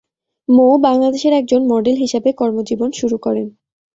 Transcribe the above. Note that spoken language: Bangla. মৌ বাংলাদেশের একজন মডেল হিসেবে কর্মজীবন শুরু করেন।